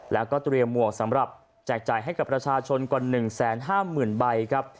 แล้วก็เตรียมหมวกสำหรับแจกจ่ายให้กับประชาชนกว่า๑๕๐๐๐ใบครับ